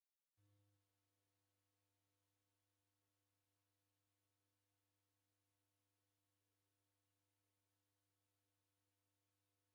W'adabonya mazoezi ghawo idime